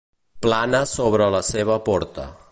Plana sobre la seva porta.